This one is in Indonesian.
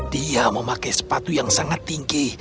dia memakai sepatu yang sangat tinggi